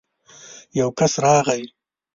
يو کس راغی.